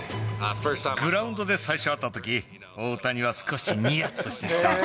グラウンドで最初会ったとき、大谷は少しにやっとしてきた。